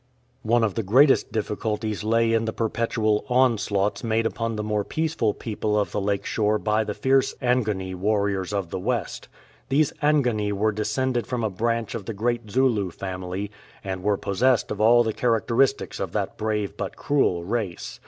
One of the greatest difficulties lay in the perpetual onslaughts made upon the more peaceful people of the lake shore by the fierce Angoni warriors of the west. These Angoni were descended from a branch of the great Zulu family, and were possessed of all the characteristics of that brave but cruel race.